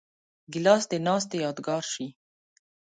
ګیلاس د ناستې یادګار شي.